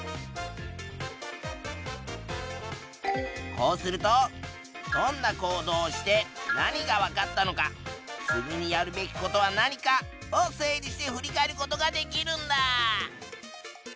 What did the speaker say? こうするとどんな行動をして何がわかったのか次にやるべきことは何かを整理して振り返ることができるんだ！